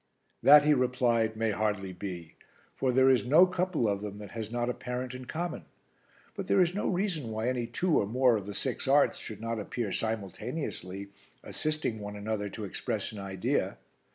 "That," he replied, "may hardly be, for there is no couple of them that has not a parent in common. But there is no reason why any two or more of the six arts should not appear simultaneously, assisting one another to express an idea.